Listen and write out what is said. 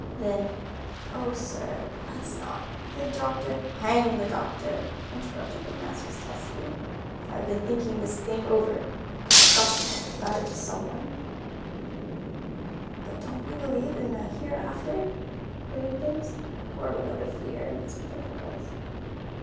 Then, "Oh, sir, let's not—the doctor——" "Hang the doctor," interrupted McMasters testily. "I've been thinking this thing over, and I've got to talk about it to someone." "But don't you believe in a hereafter?" queried Biggs, a horrible note of fear in his pitiful voice.